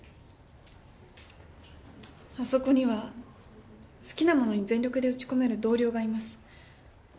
あそこには好きなものに全力で打ち込める同僚がいます。